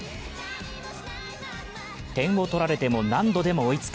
点を取られても何度でも追いつく。